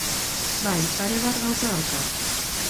Bai, pare bat gauza daukat.